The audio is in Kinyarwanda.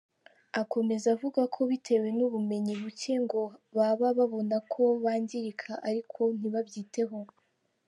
Akomeza avuga ko bitewe n’ubumenyi buke ngo baba babona ko bangirika ariko ntibabyiteho.